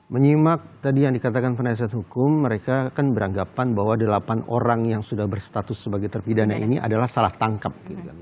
menyimak tadi yang dikatakan penasihat hukum mereka kan beranggapan bahwa delapan orang yang sudah berstatus sebagai terpidana ini adalah salah tangkap